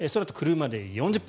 車で４０分。